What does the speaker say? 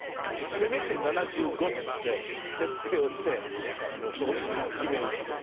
せめて７５っていって、設定をして、そこに決め打ちで。